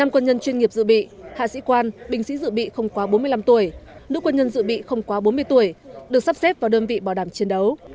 một mươi quân nhân chuyên nghiệp dự bị hạ sĩ quan bình sĩ dự bị không quá bốn mươi năm tuổi nữ quân nhân dự bị không quá bốn mươi tuổi được sắp xếp vào đơn vị bảo đảm chiến đấu